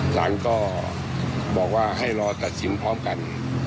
สารก็บอกว่าให้รอตัดสินพร้อมกัน